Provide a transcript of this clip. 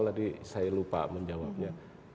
tadi saya lupa menjawabnya